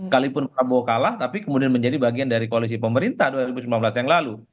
kalaupun prabowo kalah tapi kemudian menjadi bagian dari koalisi pemerintah dua ribu sembilan belas yang lalu